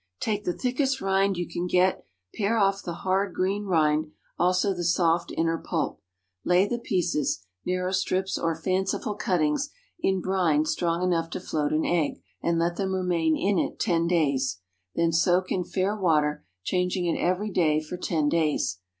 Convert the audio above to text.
Take the thickest rind you can get, pare off the hard green rind, also the soft inner pulp. Lay the pieces—narrow strips or fanciful cuttings—in brine strong enough to float an egg, and let them remain in it ten days. Then soak in fair water, changing it every day for ten days.